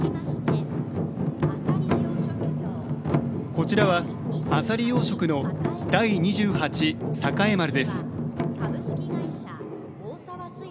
こちらは、アサリ養殖の「第二十八栄丸」です。